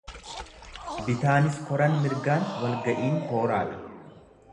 Bitaanis koran mirgaan walga'iin kooraadha.